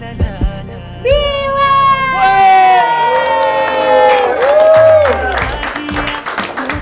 mantap lah juara satu